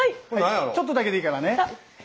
ちょっとだけでいいからね。